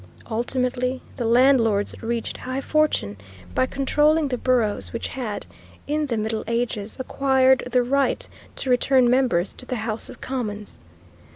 Ultimately the landlords reached high fortune by controlling the boroughs which had, in the Middle Ages, acquired the right to return members to the House of Commons.